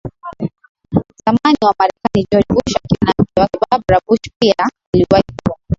zamani wa Marekani George Bush akiwa na mke wake Barbara BushPia aliwahi kuwa